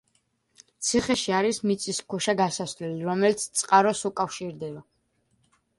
ციხეში არის მიწისქვეშა გასასვლელი, რომელიც წყაროს უკავშირდება.